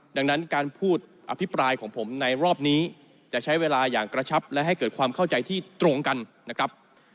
ดังนั้นการพูดอภิปรายของผมในรอบนี้จะใช้เวลาอย่างกระชับและให้เกิดความเข้าใจที่ตรงกันนะครับ